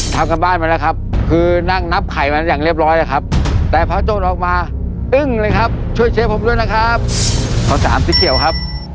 ทำการบ้านมันนะครับคือนั่งนับไข่มันอย่างเรียบร้อยนะครับแต่พระโจทย์ออกมาอึ้งเลยครับช่วยเชฟผมด้วยนะครับ